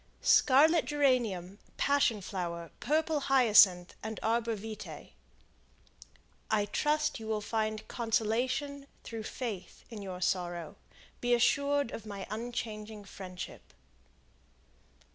Scarlet Geranium, Passion Flower, Purple Hyacinth, and Arbor Vitae "I trust you will find consolation, through faith, in your sorrow; be assured of my unchanging friendship."